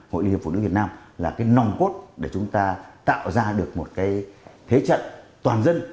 hội liên hiệp phụ nữ việt nam là cái nòng cốt để chúng ta tạo ra được một cái thế trận toàn dân